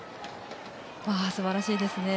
すばらしいですね。